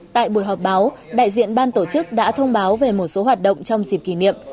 tại buổi họp báo đại diện ban tổ chức đã thông báo về một số hoạt động trong dịp kỷ niệm